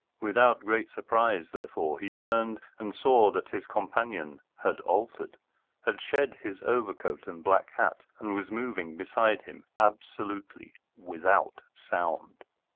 Without great surprise, therefore, he turned and saw that his companion had altered, had shed his overcoat and black hat, and was moving beside him absolutely without sound.